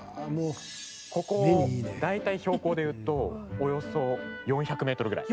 ここ、大体、標高でいうとおよそ４００ｍぐらい。